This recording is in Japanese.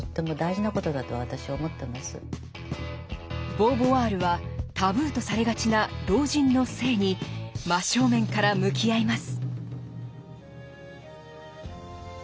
ボーヴォワールはタブーとされがちな老人の性に真正面から向き合います。